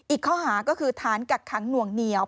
อีกข้อหาก็คือฐานกักขังหน่วงเหนียว